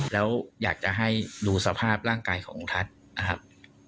แล้วอยากจะให้ดูสภาพร่างกายของท่านนะครับ